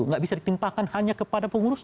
nggak bisa ditimpakan hanya kepada pengurus